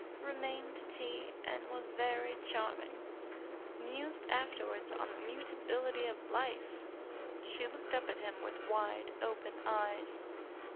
"'Remained to tea, and was very charming. Mused afterwards on the mutability of life!'" She looked up at him with wide open eyes.